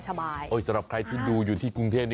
สำหรับใครที่ดูอยู่ที่กรุงเทพ